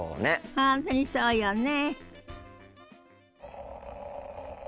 本当にそうよね。